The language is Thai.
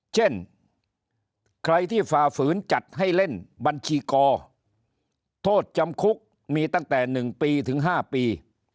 เช่นใครที่ฝ่าฝืนจัดให้เล่นบัญชีกรโทษจำคุกมีตั้งแต่๑ปีถึง๕ปี